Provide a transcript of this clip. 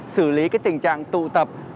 xử lý tình trạng tụ tập